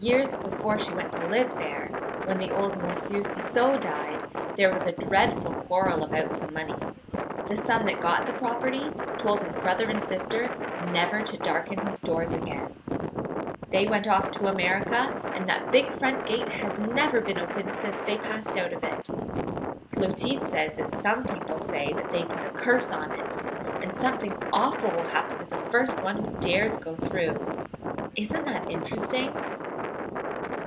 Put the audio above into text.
Years before she went to live there, when the old Monsieur Ciseaux died, there was a dreadful quarrel about some money. The son that got the property told his brother and sister never to darken his doors again. [Illustration: OUT WITH MARIE.] "They went off to America, and that big front gate has never been opened since they passed out of it. Clotilde says that some people say that they put a curse on it, and something awful will happen to the first one who dares to go through. Isn't that interesting?